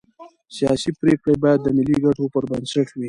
سیاسي پرېکړې باید د ملي ګټو پر بنسټ وي